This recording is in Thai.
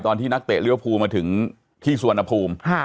ตอนที่นักเตะเรียวพูมาถึงที่สวนภูมิ